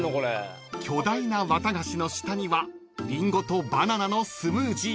［巨大な綿菓子の下にはリンゴとバナナのスムージー］